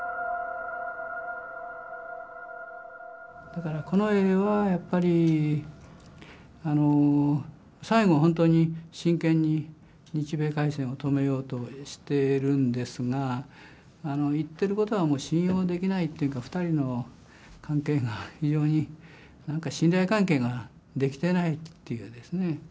だから近衛はやっぱり最後本当に真剣に日米開戦を止めようとしてるんですが言ってることはもう信用できないっていうか２人の関係が非常になんか信頼関係ができてないっていうですね。